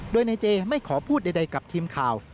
โดยนายเจไม่ขอพูดใดกับทีมข่าว